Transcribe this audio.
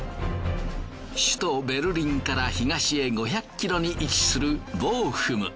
首都ベルリンから東へ５００ｋｍに位置するボーフム。